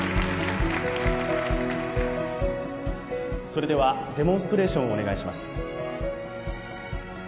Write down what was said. それではデモンストレーションをお願いします